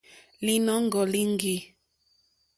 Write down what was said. Lìnɔ̀ŋɡɔ̀ líŋɡî.